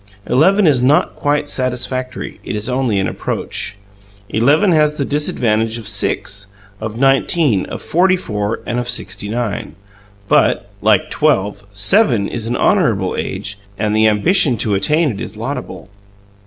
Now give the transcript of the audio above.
Eleven is not quite satisfactory: it is only an approach. Eleven has the disadvantage of six, of nineteen, of forty four, and of sixty nine. But, like twelve, seven is an honourable age, and the ambition to attain it is laudable.